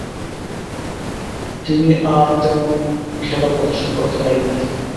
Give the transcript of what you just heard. তিনি আর তেমন খেলা প্রদর্শন করতে পারেননি।